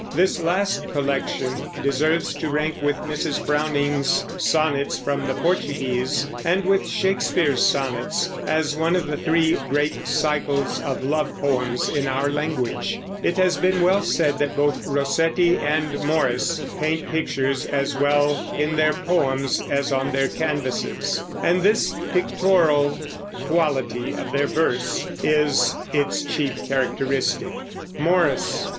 This last collection deserves to rank with Mrs. Browning's Sonnets from the Portuguese and with Shakespeare's Sonnets, as one of the three great cycles of love poems in our language. It has been well said that both Rossetti and Morris paint pictures as well in their poems as on their canvases, and this pictorial quality of their verse is its chief characteristic. MORRIS.